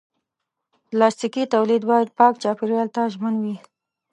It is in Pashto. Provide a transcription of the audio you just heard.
پلاستيکي تولید باید پاک چاپېریال ته ژمن وي.